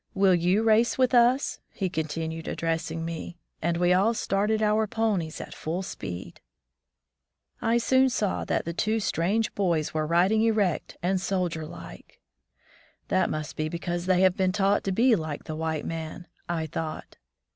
Will you race with us?" he continued, addressing me; and we all started our ponies at full speed. I soon saw that the two strange boys were riding erect and soldier like. "That must 18 My First School Days be because they have been taught to be like the white man," I thought.